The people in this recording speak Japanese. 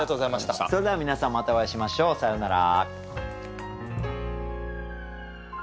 それでは皆さんまたお会いしましょう。さようなら。